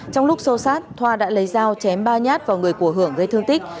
trong lúc sâu sát thoa đã lấy dao chém ba nhát vào người của hưởng gây thương tích